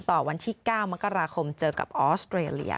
วันที่๙มกราคมเจอกับออสเตรเลีย